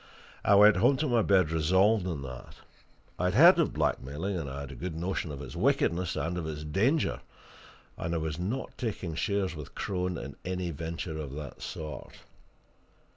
I went home to my bed resolved on that. I had heard of blackmailing, and had a good notion of its wickedness and of its danger and I was not taking shares with Crone in any venture of that sort.